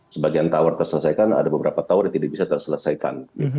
sebagian tower terselesaikan ada beberapa tower yang tidak bisa terselesaikan